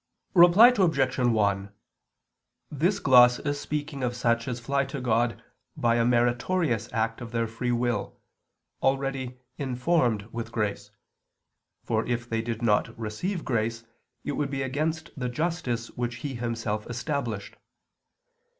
Reply Obj. 1: This gloss is speaking of such as fly to God by a meritorious act of their free will, already informed with grace; for if they did not receive grace, it would be against the justice which He Himself established.